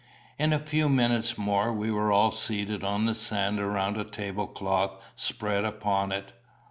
In a few minutes more we were all seated on the sand around a table cloth spread upon it.